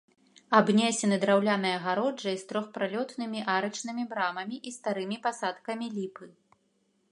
Абнесены драўлянай агароджай з трохпралётнымі арачнымі брамамі і старымі пасадкамі ліпы.